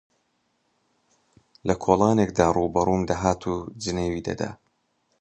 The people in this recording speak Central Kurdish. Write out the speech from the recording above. لە کۆڵانێکدا ڕووبەڕووم دەهات و جنێوی دەدا